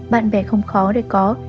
bạn bè không khó để có